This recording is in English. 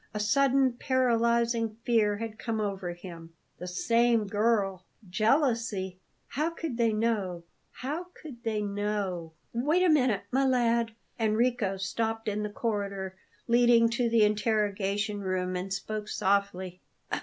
A sudden, paralyzing fear had come over him. "The same girl jealousy!" How could they know how could they know? "Wait a minute, my lad." Enrico stopped in the corridor leading to the interrogation room, and spoke softly.